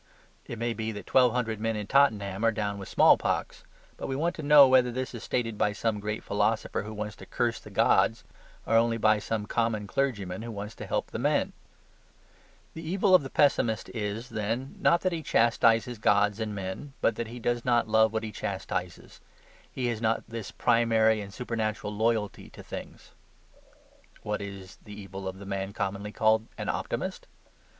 It may be that twelve hundred men in Tottenham are down with smallpox; but we want to know whether this is stated by some great philosopher who wants to curse the gods, or only by some common clergyman who wants to help the men. The evil of the pessimist is, then, not that he chastises gods and men, but that he does not love what he chastises he has not this primary and supernatural loyalty to things. What is the evil of the man commonly called an optimist?